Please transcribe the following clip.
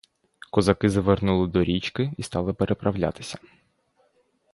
Козаки завернули до річки і стали переправлятися.